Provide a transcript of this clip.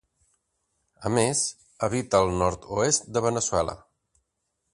A més, habita al nord-oest de Veneçuela.